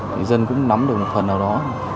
thì dân cũng nắm được một phần nào đó